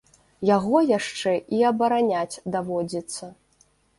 Яго яшчэ і абараняць даводзіцца.